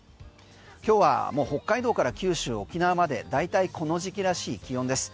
今日はもう北海道から九州沖縄まで大体この時期らしい気温です。